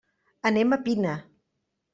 Anem a Pina.